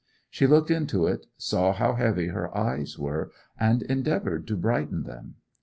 She looked into it, saw how heavy her eyes were, and endeavoured to brighten them.